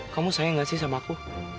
kamu sayang gak sih sama aku